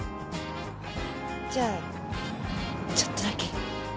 じゃあちょっとだけ。